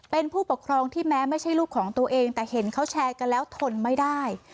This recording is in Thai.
เป็นผู้ปกครองที่แม้ไม่ใช่ลูกของตัวเองแต่เห็นเขาแชร์กันแล้วทนไม่ได้